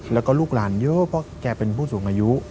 แล้วก็ลูกหลานเยอะเพราะแกเป็นผู้สูงอายุ